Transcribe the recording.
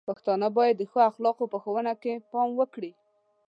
پښتانه بايد د ښو اخلاقو په ښوونه کې پام وکړي.